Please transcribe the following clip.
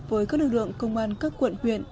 với các lực lượng công an các quận huyện